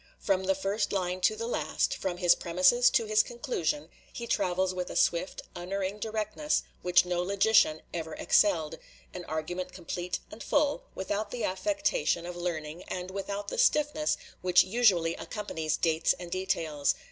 From the first line to the last, from his premises to his conclusion, he travels with a swift, unerring directness which no logician ever excelled, an argument complete and full, without the affectation of learning, and without the stiffness which usually accompanies dates and details.